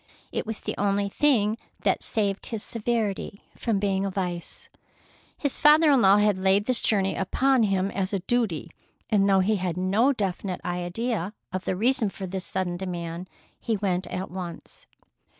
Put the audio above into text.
It was the only thing that saved his severity from being a vice. His father in law had laid this journey upon him as a duty, and though he had no definite idea of the reason for this sudden demand, he went at once.